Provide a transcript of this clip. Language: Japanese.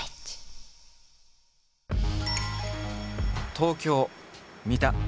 東京三田。